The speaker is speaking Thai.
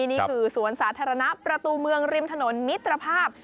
นี่คือสวนสาธารณะประตูเมืองริมถนนมิตรภาพ